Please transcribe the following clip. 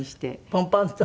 ポンポンッと。